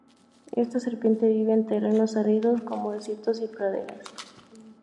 Esta serpiente vive en terrenos áridos, como desiertos y praderas.